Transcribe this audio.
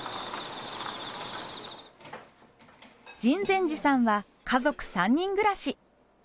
秦泉寺さんは家族３人暮らし。